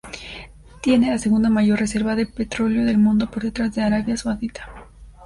Tiene la segunda mayor reserva de petróleo del mundo, por detrás de Arabia Saudita.